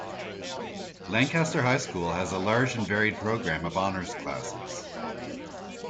Lancaster High School has a large and varied program of honors classes.